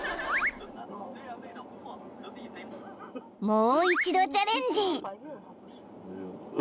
［もう一度チャレンジ］